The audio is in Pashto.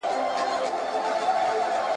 زه پرون د سبا لپاره د يادښتونه بشپړوم،